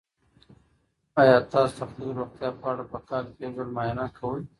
آیا تاسو د خپلې روغتیا په اړه په کال کې یو ځل معاینه کوئ؟